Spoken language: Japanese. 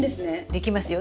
できますよ。